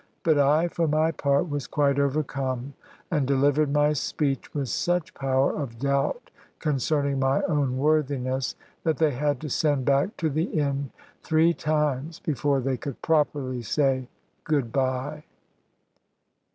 But I, for my part, was quite overcome, and delivered my speech with such power of doubt concerning my own worthiness, that they had to send back to the inn three times, before they could properly say "Good bye."